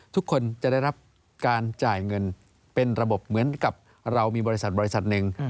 ทุกคนจะได้รับการจ่ายเงินเป็นระบบเหมือนกับเรามีบริษัทบริษัทหนึ่ง